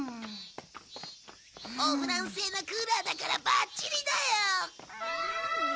おフランス製のクーラーだからばっちりだよ。